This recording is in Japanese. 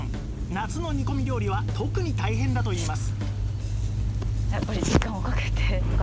夏の煮込み料理は特に大変だと言います